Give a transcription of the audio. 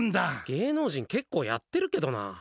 芸能人、結構やってるけどな。